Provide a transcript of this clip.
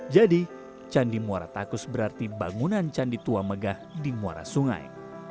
jadi candi muaratakus berarti bangunan candi tua megah di muara sungai